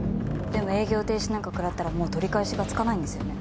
でも営業停止なんか食らったらもう取り返しがつかないんですよね？